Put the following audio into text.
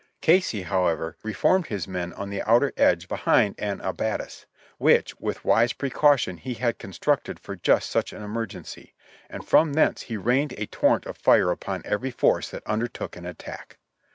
Casey, however, reformed his men on the outer edge behind an abattis, which with wise pre caution he had constructed for just such an emergency, and from thence he rained a torrent of fire upon every force that undertook an attack.